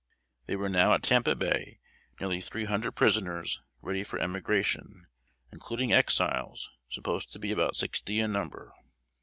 There were now at Tampa Bay nearly three hundred prisoners ready for emigration, including Exiles, supposed to be about sixty in number.